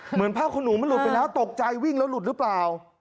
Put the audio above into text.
เหมือนผ้าขนหนูมันหลุดไปแล้วตกใจวิ่งแล้วหลุดหรือเปล่า